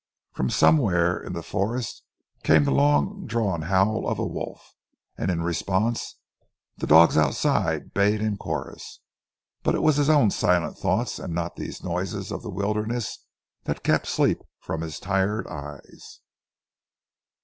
From somewhere in the forest came the long drawn howl of a wolf, and in response the dogs outside bayed in chorus, but it was his own silent thoughts, and not these noises of the wilderness, that kept sleep from his tired eyes.